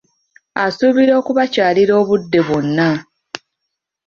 Asuubirwa okubakyalira obudde bwonna.